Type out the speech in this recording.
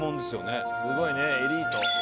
すごいねエリート。